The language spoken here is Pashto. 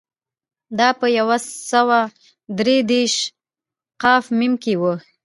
دا په یو سوه درې دېرش ق م کې و